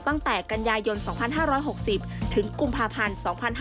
ตั้งแต่กันยายน๒๕๖๐ถึงกุมภาพันธ์๒๕๕๙